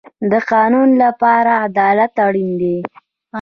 د قانون لپاره عدالت اړین دی